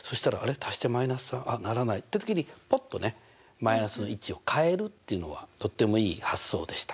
足して−３あっならないって時にポッとねマイナスの位置を変えるっていうのはとってもいい発想でした。